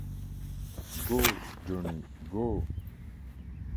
Go, Johnny, Go!